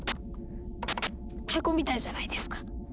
太鼓みたいじゃないですか！